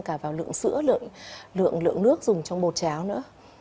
cả vào lượng sữa lượng nước dùng trong bột cháo nữa